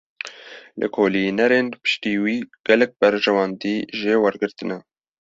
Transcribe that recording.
Lêkolînerên piştî wî, gelek berjewendî jê wergirtine